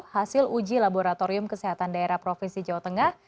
hasil uji laboratorium kesehatan daerah provinsi jawa tengah